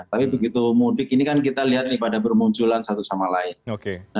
tapi begitu mudik ini kan kita lihat nih pada bermunculan satu sama lain